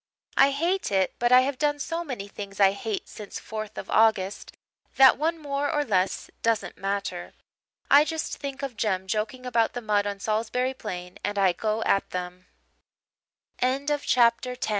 I hate it but I have done so many things I hate since 4th of August that one more or less doesn't matter. I just think of Jem joking about the mud on Salisbury Plain and I go at them." CHAPTER XI DARK AND BRIGHT At Ch